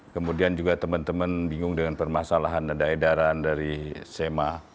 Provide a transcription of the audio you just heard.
kemudian juga teman teman bingung dengan permasalahan ada edaran dari sema